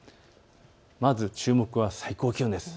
まず注目は最高気温です。